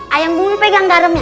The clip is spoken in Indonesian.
ayam bulbul pegang garamnya